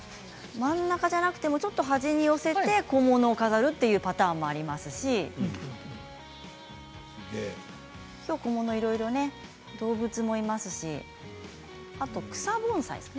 真ん中じゃなくてもちょっと端に寄せて小物を飾るパターンもありますし今日は小物もいろいろと動物もありますし草も。